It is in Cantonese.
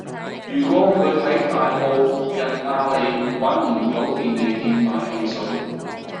如果佢喺大埔逸雅里搵唔到便利店買汽水